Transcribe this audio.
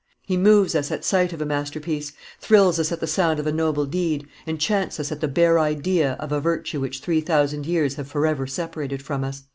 He moves us at sight of a masterpiece, thrills us at the sound of a noble deed, enchants us at the bare idea of a virtue which three thousand years have forever separated from us."